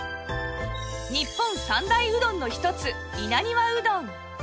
日本三大うどんの一つ稲庭うどん